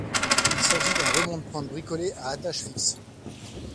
Il s'agit d'un remonte-pente bricolé à attaches fixes.